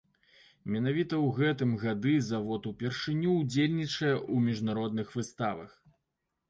Менавіта ў гэтыя гады завод упершыню ўдзельнічае ў міжнародных выставах.